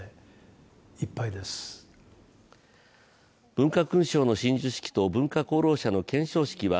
文化勲章の親授式と文化功労者の顕彰式は